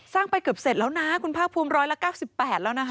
สร้างไปเกือบเสร็จแล้วนะคุณพาคภูมิร้อยละ๙๘แล้วนะครับ